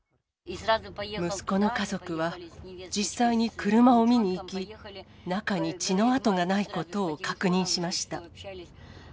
息子の家族は実際に車を見に行き、中に血の跡がないことを確認しました。